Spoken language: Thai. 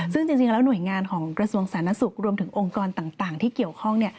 ซึ่งจริงแล้วหน่วยงานของกระทรวงสาธารณสุขรวมถึงองค์กรต่างที่เกี่ยวข้อง